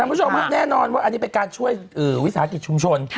คุณผู้ชมฮะแน่นอนว่าอันนี้เป็นการช่วยวิสาหกิจชุมชน